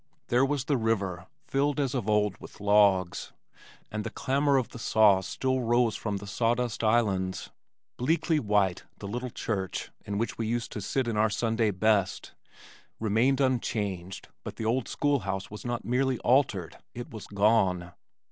There was the river, filled as of old with logs, and the clamor of the saws still rose from the sawdust islands. Bleakly white the little church, in which we used to sit in our Sunday best, remained unchanged but the old school house was not merely altered, it was gone!